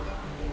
cepet banget ya